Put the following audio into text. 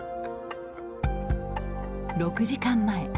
６時間前。